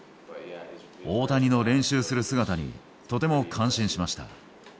大谷の練習する姿にとても感心しました。